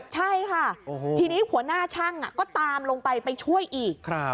ใช่ค่ะทีนี้หัวหน้าช่างก็ตามลงไปไปช่วยอีก